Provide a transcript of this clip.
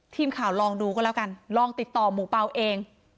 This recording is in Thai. ทีมข่าวลองดูก็แล้วกันลองติดต่อหมูเปล่าเอง